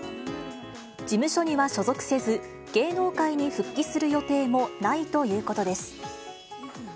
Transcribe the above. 事務所には所属せず、芸能界に復帰する予定もないということです。